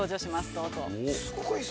どうぞ。